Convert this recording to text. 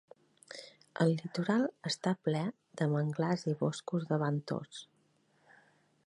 El litoral està ple de manglars i boscos de bantos.